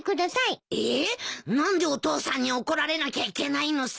えっ何でお父さんに怒られなきゃいけないのさ。